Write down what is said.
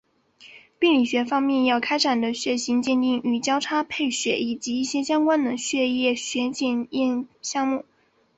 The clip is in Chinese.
病理学方面要开展的血型鉴定与交叉配血以及一些相关的血液学检验项目。